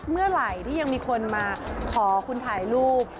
เมื่อไหร่ที่ยังมีคนมาขอคุณถ่ายรูป